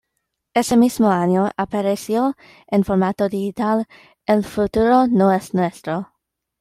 Ese mismo año, apareció en formato digital "El futuro no es nuestro.